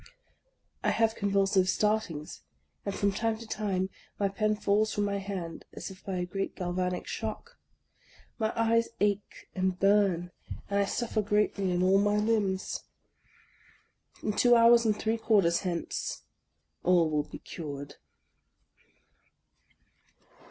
I have convulsive startings, and from time to time my pen falls from my hand as if by a galvanic shock. My eyes ache and burn, and I suffer greatly in all my limbs. In two hours and three quarters hence, all will be cured.